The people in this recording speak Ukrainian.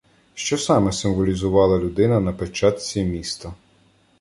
Що саме символізувала людина на печатці міста?